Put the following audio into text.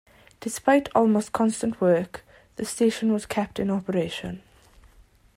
Despite almost constant work, the station was kept in operation.